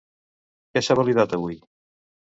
Què s'ha validat, avui?